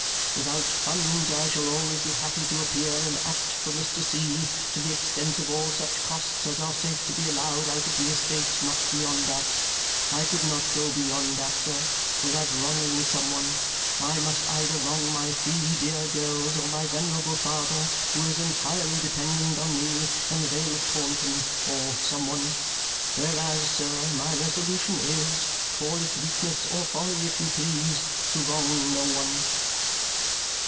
Without funds I shall always be happy to appear and act for Mr. C. to the extent of all such costs as are safe to be allowed out of the estate, not beyond that. I could not go beyond that, sir, without wronging some one. I must either wrong my three dear girls or my venerable father, who is entirely dependent on me, in the Vale of Taunton; or some one. Whereas, sir, my resolution is (call it weakness or folly if you please) to wrong no one."